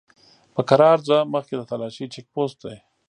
په کرار ځه! مخکې د تالاشی چيک پوسټ دی!